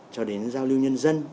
cho đến giao lưu nhân dân